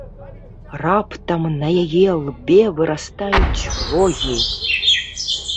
Раптам на яе лбе вырастаюць рогі.